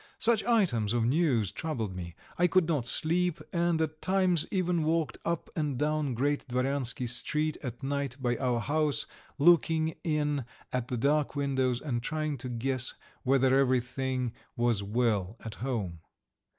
Such items of news troubled me; I could not sleep, and at times even walked up and down Great Dvoryansky Street at night by our house, looking in at the dark windows and trying to guess whether everything was well at home.